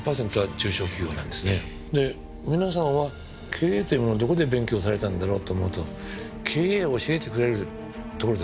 皆さんは経営というものをどこで勉強されたんだろうと思うと経営を教えてくれるところというのはないんですね。